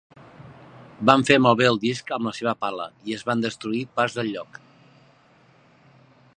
Van fer malbé el disc amb la seva pala i van destruir parts del lloc.